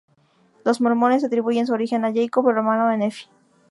Los mormones atribuyen su origen a Jacob, hermano de Nefi.